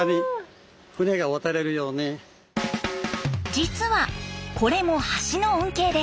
実はこれも橋の恩恵です。